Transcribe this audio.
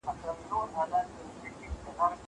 کار وکړه!